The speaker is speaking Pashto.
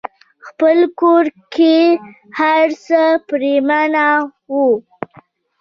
خپل کور کې هرڅه پريمانه وي.